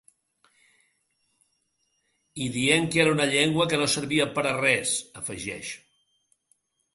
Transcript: I dient que era una llengua que no servia per a res, afegeix.